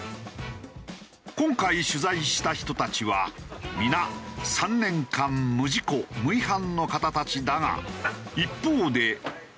今回取材した人たちは皆３年間無事故・無違反の方たちだが一方で。